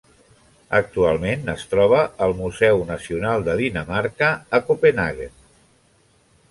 Actualment es troba al Museu Nacional de Dinamarca a Copenhaguen.